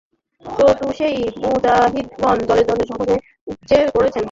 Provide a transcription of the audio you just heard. প্রত্যুষেই মুজাহিদগণ দলে দলে শহরে উপচে পড়লেন।